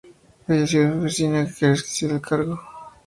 Falleció en su oficina, en ejercicio del cargo.